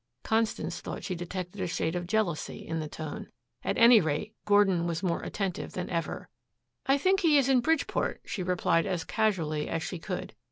Constance thought she detected a shade of jealousy in the tone. At any rate, Gordon was more attentive than ever. "I think he is in Bridgeport," she replied as casually as she could.